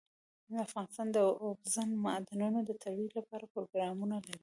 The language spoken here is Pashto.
افغانستان د اوبزین معدنونه د ترویج لپاره پروګرامونه لري.